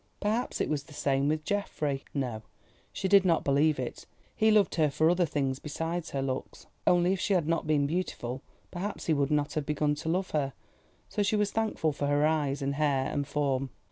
Perhaps it was the same with Geoffrey—no, she did not believe it. He loved her for other things besides her looks. Only if she had not been beautiful, perhaps he would not have begun to love her, so she was thankful for her eyes and hair, and form.